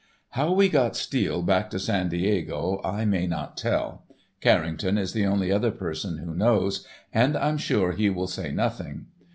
How we got Steele back to San Diego I may not tell. Carrington is the only other person who knows, and I'm sure he will say nothing.